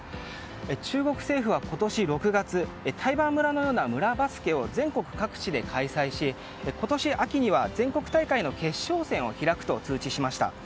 中国政府は今年６月台盤村のような村バスケを全国各地で開催し今年秋には全国大会の決勝戦を開くと通知しました。